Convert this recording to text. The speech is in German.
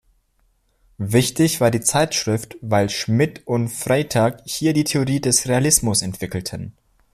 Wichtig war die Zeitschrift, weil Schmidt und Freytag hier die Theorie des Realismus entwickelten.